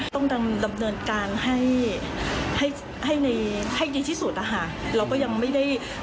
ต้องกำเนินการให้ดีที่สุด